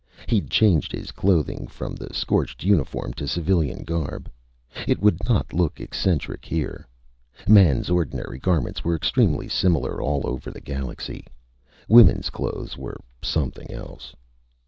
He'd changed his clothing from the scorched uniform to civilian garb. It would not look eccentric here. Men's ordinary garments were extremely similar all over the galaxy. Women's clothes were something else.